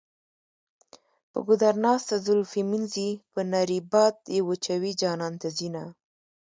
په ګودر ناسته زلفې مینځي په نري باد یې وچوي جانان ته ځینه.